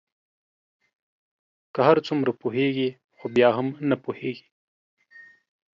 که هر څومره پوهیږی خو بیا هم نه پوهیږې